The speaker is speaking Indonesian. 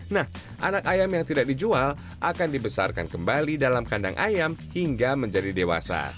nah anak ayam yang tidak dijual akan dibesarkan kembali dalam kandang ayam hingga menjadi dewasa